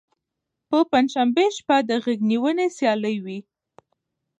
په پنجشنبې شپه د غیږ نیونې سیالۍ وي.